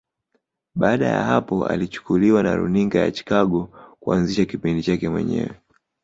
Baada ya hapo alichukuliwa na Runinga ya Chicago kuanzisha kipindi chake mwenyewe